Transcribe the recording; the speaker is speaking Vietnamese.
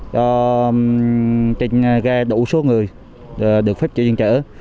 cho trên gai đủ số người được phép chuyển diện trở